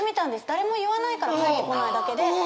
誰も言わないから返ってこないだけで。